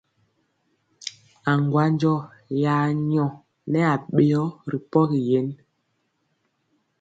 Aŋgwanjɔ ya nyɔ nɛ aɓeyɔ ri pɔgi yen.